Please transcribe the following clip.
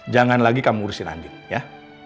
jangan lagi kamu urusin landing ya